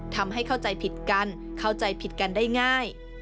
ทำให้เข้าใจผิดกันเข้าใจผิดกันได้ง่าย